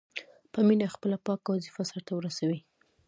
په مینه خپله پاکه وظیفه سرته ورسوي.